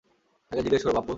তাকে জিজ্ঞেস কর, পাপ্পু।